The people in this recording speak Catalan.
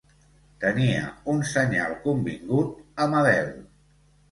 Tenia un senyal convingut amb Adele.